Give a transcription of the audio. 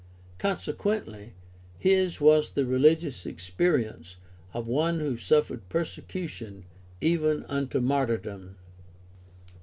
Conse quently his was the religious experience of one who suffered persecution even unto martyrdom.